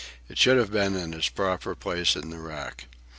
It should have been in its proper place in the rack.